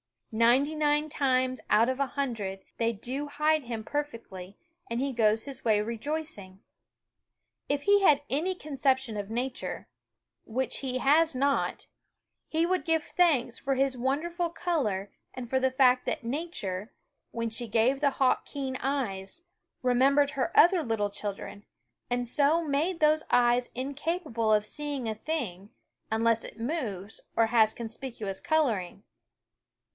Ninety nine times out of a hundred they do hide him perfectly, and he goes his way rejoicing. If he had any con ception of Nature (which he has* not), he would give thanks for his wonderful color and for the fact that Nature, when she gave the hawk keen eyes, remembered her other little children, and so made those eyes incapable of seeing a thing unless it moves or has conspicuous coloring.